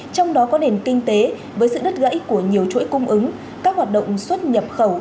trong đó có nền kinh tế với sự đứt gãy của nhiều chuỗi cung ứng các hoạt động xuất nhập khẩu